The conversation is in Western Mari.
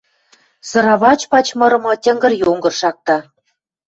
Сыравачпач мырымы тьынгыр-йонгыр шакта.